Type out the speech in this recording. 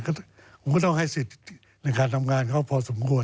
ผมก็ต้องให้สิทธิ์ในการทำงานเขาพอสมควร